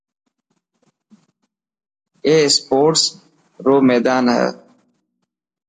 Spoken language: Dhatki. اي اسپورٽس رو ميدان هي.